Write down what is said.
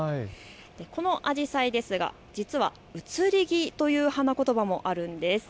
このアジサイ、実は移り気という花言葉もあるんです。